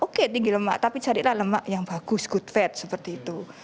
oke tinggi lemak tapi carilah lemak yang bagus good fat seperti itu